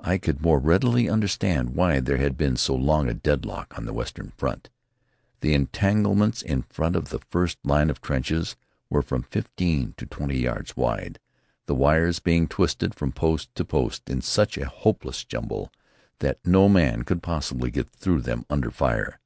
I could more readily understand why there had been so long a deadlock on the western front. The entanglements in front of the first line of trenches were from fifteen to twenty yards wide, the wires being twisted from post to post in such a hopeless jumble that no man could possibly get through them under fire.